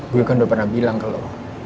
gue kan udah pernah bilang ke lo